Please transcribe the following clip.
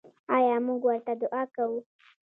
آیا موږ ورته دعا کوو؟